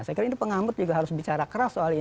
saya kira ini pengambut juga harus bicara keras soal ini